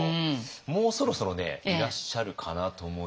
もうそろそろねいらっしゃるかなと思うんですけどね。